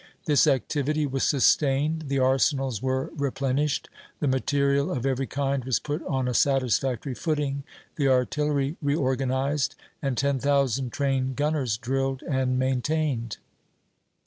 This activity was sustained; the arsenals were replenished, the material of every kind was put on a satisfactory footing, the artillery reorganized, and ten thousand trained gunners drilled and maintained.